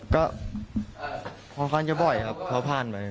ก็ค่อนข้างจะบ่อยครับเขาผ่านไป